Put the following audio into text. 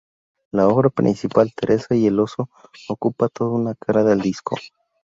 La obra principal, "Teresa y el Oso" ocupa toda una cara del disco.